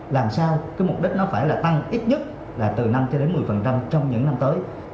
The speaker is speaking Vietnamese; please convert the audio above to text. làm sao cái mục đích nó phải là tăng ít nhất là từ năm cho đến một mươi trong những năm tới